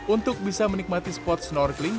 untuk bisa menikmati spot snorkeling